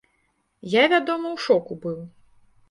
Я, вядома, у шоку быў.